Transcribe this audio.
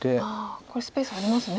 これスペースありますね。